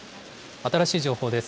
新しい情報です。